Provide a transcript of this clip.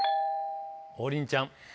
王林ちゃん。